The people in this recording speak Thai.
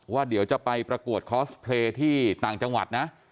เดี๋ยวจะไปประกวดคอสเพลย์ที่ต่างจังหวัดนะ